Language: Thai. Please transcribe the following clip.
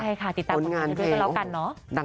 ใช่ค่ะติดตามกับทุกคนด้วยกับเรากันเนอะ